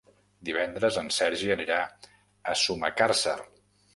Divendres en Sergi anirà a Sumacàrcer.